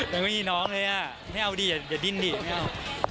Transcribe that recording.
ยังไม่มีน้องเลยอ่ะไม่เอาดิอย่าดิ้นดิไม่เอา